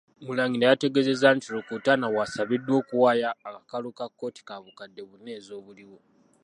Murangira yategeezezza nti, Rukutana bwasabiddwa okuwaayo akakalu ka bukadde buna ezaabuliwo.